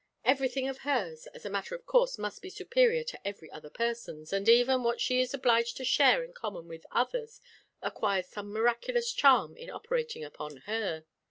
Everything of hers, as a matter of course, must be superior to every other person's, and even what she is obliged to share in common with others acquires some miraculous charm in operating upon her.